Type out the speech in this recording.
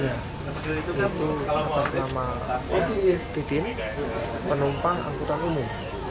itu nama atitin penumpang angkutan umum